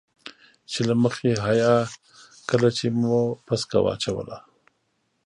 چې له مخې حيا کله چې مو پسکه واچوله.